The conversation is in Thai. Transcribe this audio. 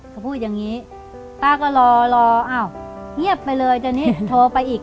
เขาพูดอย่างนี้ป้าก็รอรออ้าวเงียบไปเลยตอนนี้โทรไปอีก